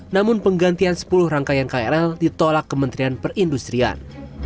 namun penggantian sepuluh rangkaian krl ditolak kementerian perindustrian